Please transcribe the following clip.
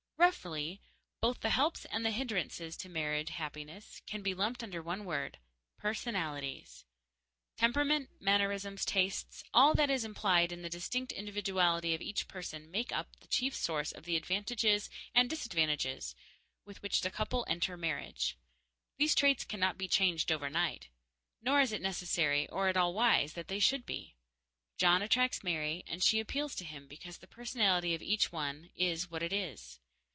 Roughly, both the helps and the hindrances to married happiness can be lumped under one word personalities. Temperament, mannerisms, tastes all that is implied in the distinct individuality of each person make up the chief source of the advantages and disadvantages with which the couple enter marriage. These traits cannot be changed overnight. Nor is it necessary, or at all wise, that they should be. John attracts Mary, and she appeals to him, because the personality of each one is what it is.